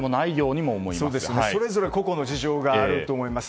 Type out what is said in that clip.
それぞれ個々の事情があると思います。